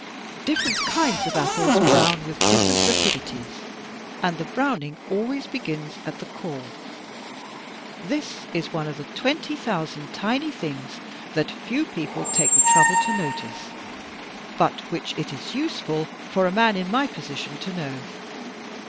Different kinds of apples brown with different rapidities, and the browning always begins at the core. This is one of the twenty thousand tiny things that few people take the trouble to notice, but which it is useful for a man in my position to know.